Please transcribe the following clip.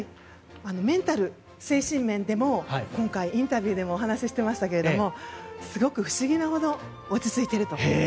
メンタル、精神面でも今回、インタビューでもお話していましたけどすごく不思議なほど落ち着いていると。